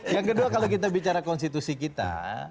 yang kedua kalau kita bicara konstitusi kita